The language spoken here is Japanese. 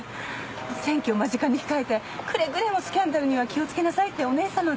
選挙を間近に控えてくれぐれもスキャンダルには気をつけなさいってお義姉様が。